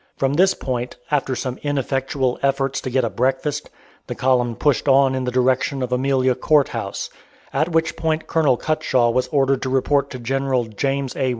From this point, after some ineffectual efforts to get a breakfast, the column pushed on in the direction of Amelia Court House, at which point Colonel Cutshaw was ordered to report to General James A.